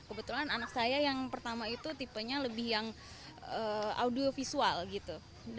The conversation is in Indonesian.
kebetulan anak saya yang pertama itu tipenya lebih yang audiovisual gitu